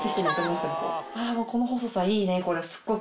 この細さいいねすっごい